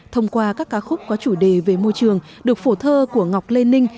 thông qua các ca khúc có chủ đề về môi trường được phổ thơ của ngọc lê ninh